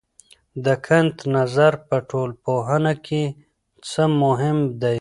د کنت نظر په ټولنپوهنه کې څه مهم دی؟